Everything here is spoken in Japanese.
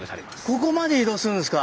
ここまで移動するんですか。